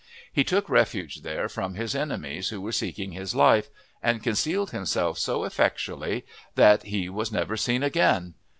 He took refuge there from his enemies who were seeking his life, and concealed himself so effectually that he was never seen again.